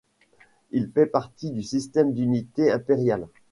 Il fait partie du système d'unités impériales.